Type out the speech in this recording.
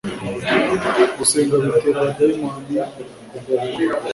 gusenga bitera abadayimoni kuguhunga